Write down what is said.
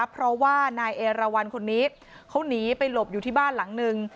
เพราะว่านายเอราวันคนนี้เขาหนีไปหลบอยู่ที่บ้านหลังนึง